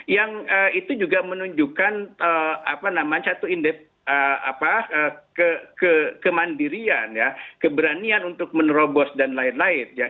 yang itu juga menunjukkan kemandirian keberanian untuk menerobos dan lain lain